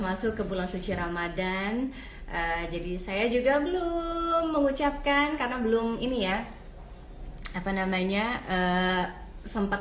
masuk ke bulan suci ramadhan jadi saya juga belum mengucapkan karena belum ini ya apa namanya sempat